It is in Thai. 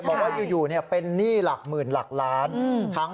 บอกว่าอยู่เป็นหนี้หลักหมื่นหลักล้าน